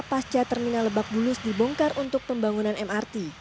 pasca terminal lebak bulus dibongkar untuk pembangunan mrt